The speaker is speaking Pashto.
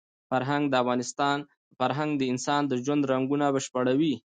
فرهنګ د انسان د ژوند رنګونه بشپړوي.